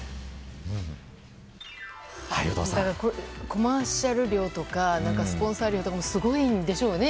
コマーシャル料とかスポンサー料とかもすごいんでしょうね。